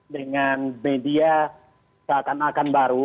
dengan media seakan akan baru